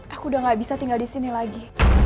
aku udah gak bisa tinggal disini lagi